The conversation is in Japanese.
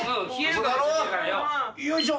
よいしょ。